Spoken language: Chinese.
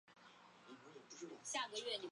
这期间学校的教学计划经历了多次改革。